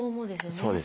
そうです。